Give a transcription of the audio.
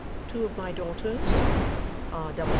Two of my daughters. R.